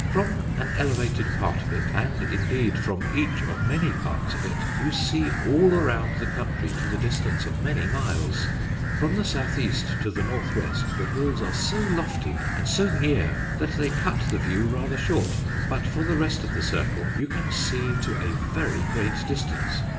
From an elevated part of it, and, indeed, from each of many parts of it, you see all around the country to the distance of many miles. From the south east to the north west the hills are so lofty and so near that they cut the view rather short; but for the rest of the circle you can see to a very great distance.